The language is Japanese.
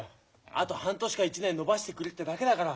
あと半年か１年延ばしてくれってだけだから。